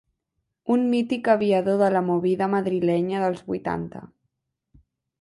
Un mític aviador de la “Movida” madrilenya dels vuitanta.